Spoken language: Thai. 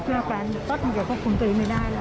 ช่วงป่านสต๊อตเหมือนกับกลุ่มกลุ่มตัวอีกไม่ได้นะค่ะ